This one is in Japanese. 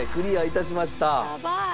やばい！